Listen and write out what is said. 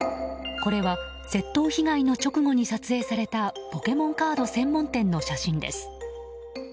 これは窃盗被害の直後に撮影されたポケモンカード専門店の写真です。